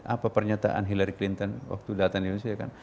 apa pernyataan hillary clinton waktu datang ke indonesia kan